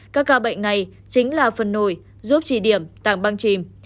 các ca bệnh này chính là phần nổi giúp trì điểm tảng băng chìm